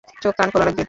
চোখ-কান খোলা রাখবে।